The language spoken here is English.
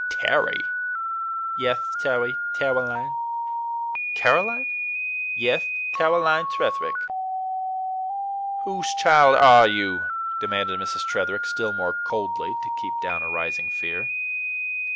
"Tarry?" "Yeth. Tarry. Tarowline." "Caroline?" "Yeth. Tarowline Tretherick." "Whose child ARE you?" demanded Mrs. Tretherick still more coldly, to keep down a rising fear.